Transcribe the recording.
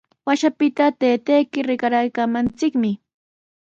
Washapita taytanchik rikaraaykaamanchikmi.